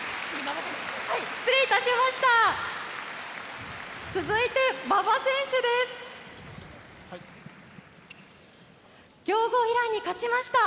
失礼いたしました。